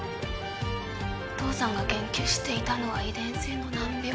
お父さんが研究していたのは遺伝性の難病。